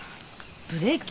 ブレーキ？